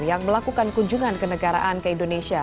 yang melakukan kunjungan kenegaraan ke indonesia